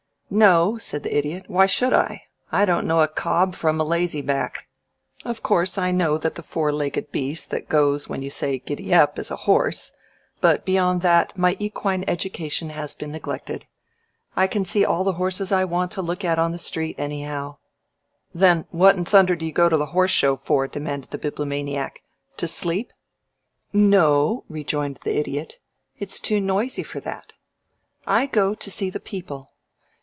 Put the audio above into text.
"No," said the Idiot. "Why should I? I don't know a cob from a lazy back. Of course I know that the four legged beast that goes when you say get ap is a horse, but beyond that my equine education has been neglected. I can see all the horses I want to look at on the street, anyhow." "Then what in thunder do you go to the Horse Show for?" demanded the Bibliomaniac. "To sleep?" "No," rejoined the Idiot. "It's too noisy for that. I go to see the people.